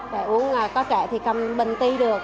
trẻ uống có trẻ thì cầm bình ti được